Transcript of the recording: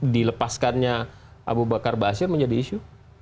dilepaskannya abu bakar basir menjadi isu